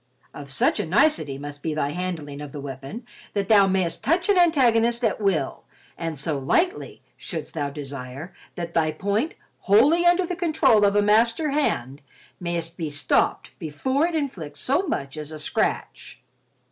Of such a nicety must be thy handling of the weapon that thou mayst touch an antagonist at will and so lightly, shouldst thou desire, that thy point, wholly under the control of a master hand, mayst be stopped before it inflicts so much as a scratch."